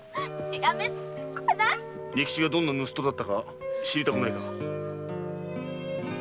仁吉がどんな盗っ人だったか知りたくないか？